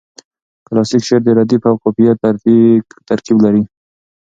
کلاسیک شعر د ردیف او قافیه ترکیب لري.